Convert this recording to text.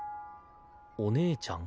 「お姉ちゃん」？